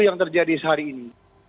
yang terjadi sehari ini